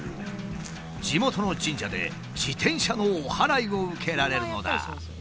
地元の神社で自転車のおはらいを受けられるのだ。